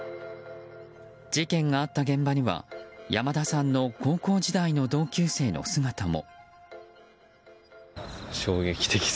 事件があった現場には山田さんの高校時代の同級生の姿も。